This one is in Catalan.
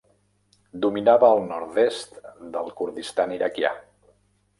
Dominava el nord-est del Kurdistan iraquià.